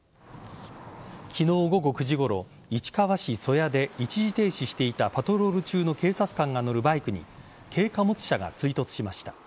昨日午後９時ごろ市川市曽谷で一時停止していたパトロール中の警察官が乗るバイクに軽貨物車が追突しました。